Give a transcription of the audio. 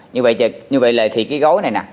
như vậy thì cái gối này nè